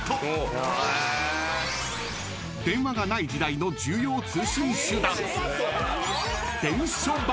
［電話がない時代の重要通信手段］